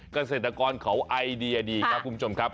เกษตรกรเขาไอเดียดีครับคุณผู้ชมครับ